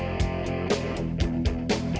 nah ini juga